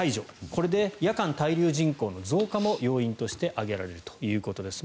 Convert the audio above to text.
これで、夜間滞留人口の増加も要因として挙げられるということです。